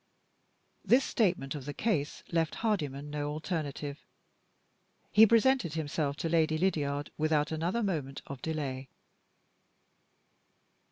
This statement of the case left Hardyman no alternative. He presented himself to Lady Lydiard without another moment of delay.